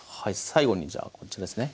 最後にじゃあこちらですね。